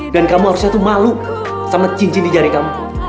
kamu harusnya tuh malu sama cincin di jari kamu